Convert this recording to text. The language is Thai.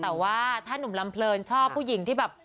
แต่ว่าถ้านุ่มลำเพลินชอบผู้หญิงที่แบบ